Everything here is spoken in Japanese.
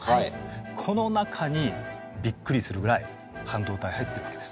この中にびっくりするぐらい半導体入ってるわけです。